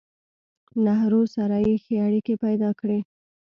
نهرو سره يې ښې اړيکې پېدا کړې